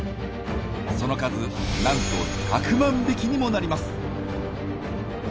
その数なんと１００万匹にもなります。